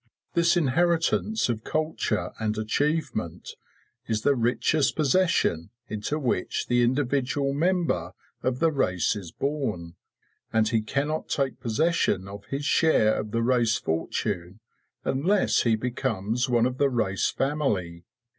This inheritance of culture and achievement is the richest possession into which the individual member of the race is born, and he cannot take possession of his share of the race fortune unless he becomes one of the race family.